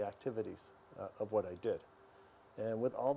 saya berusia dua dan sepuluh